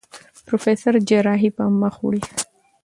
پروفېسر جراحي پر مخ وړي.